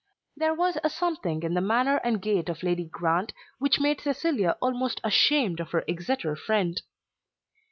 There was a something in the manner and gait of Lady Grant which made Cecilia almost ashamed of her Exeter friend.